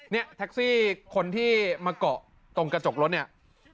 เนี่ยแท็กซี่คนที่มาเกาะตรงกระจกรถเนี่ย